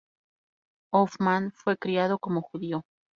Hoffman fue criado como judío.